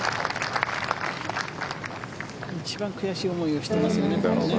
一番悔しい思いをしてますよね。